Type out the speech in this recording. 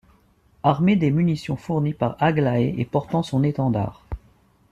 armée des munitions fournies par Aglaé et portant son étendard.